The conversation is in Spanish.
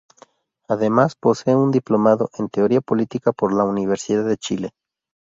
Además, posee un diplomado en teoría política por la Universidad de Chile.